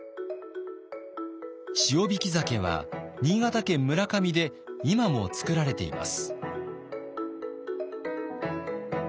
塩引き鮭は新潟県村上で今も作られています。